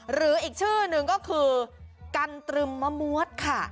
หรืออีกชื่อหนึ่งก็คือกันตรึมมะมวดค่ะ